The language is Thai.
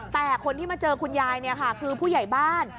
แต่คนที่มาเจอคุณยายคือผู้ใหญ่บ้าน